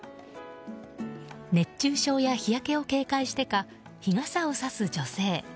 熱中症や日焼けを警戒してか日傘をさす女性。